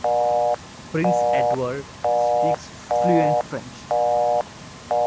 Prince Edward speaks fluent French.